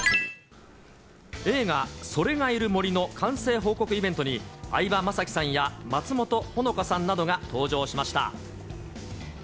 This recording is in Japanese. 映画、それがいる森の完成報告イベントに、相葉雅紀さんや松本穂香さんなどが登場しました。